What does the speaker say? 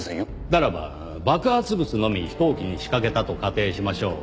ならば爆発物のみ飛行機に仕掛けたと仮定しましょう。